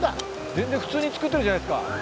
全然普通に作ってるじゃないですか。